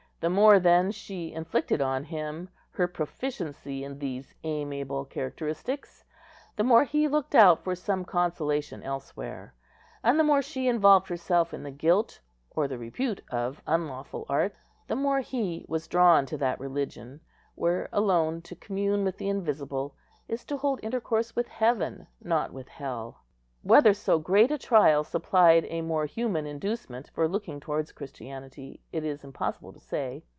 The more, then, she inflicted on him her proficiency in these amiable characteristics, the more he looked out for some consolation elsewhere; and the more she involved herself in the guilt or the repute of unlawful arts, the more was he drawn to that religion, where alone to commune with the invisible is to hold intercourse with heaven, not with hell. Whether so great a trial supplied a more human inducement for looking towards Christianity, it is impossible to say.